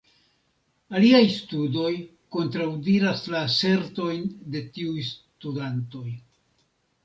Aliaj studoj kontraŭdiras la asertojn de tiuj studantoj.